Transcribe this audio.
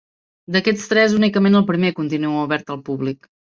D'aquests tres, únicament el primer continua obert al públic.